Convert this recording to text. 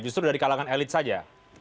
justru dari kalangan elit saja